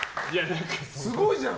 すごいじゃん。